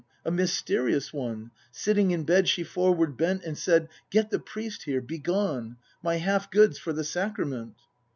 A mysterious one. Sitting in bed she forward bent. And said: "Get the priest here: begone! My half goods for the sacrament."